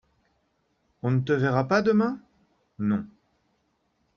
On ne te verra pas demain ? Non.